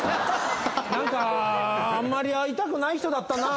何かあんまり会いたくない人だったな。